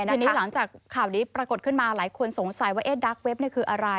ทีนี้หลังจากข่าวนี้ปรากฏขึ้นมาหลายคนสงสัยว่าดาร์กเว็บคืออะไร